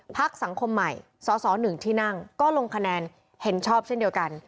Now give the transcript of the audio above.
สังคมใหม่สสหนึ่งที่นั่งก็ลงคะแนนเห็นชอบเช่นเดียวกัน